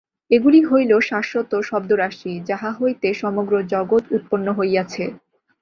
এগুলি হইল শাশ্বত শব্দরাশি, যাহা হইতে সমগ্র জগৎ উৎপন্ন হইয়াছে।